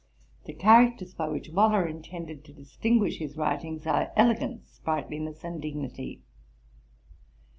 'The characters by which Waller intended to distinguish his writings are [elegance] sprightliness and dignity.